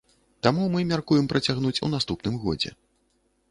Таму мы мяркуем працягнуць у наступным годзе.